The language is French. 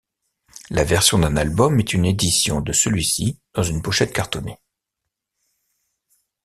La version d'un album est une édition de celui-ci dans une pochette cartonnée.